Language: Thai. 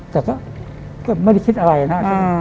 แต่ก็ไม่ได้คิดอะไรนะ